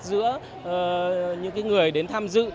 giữa những người đến tham dự